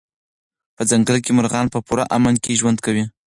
په ځنګل کې مرغان په پوره امن کې ژوند کوي.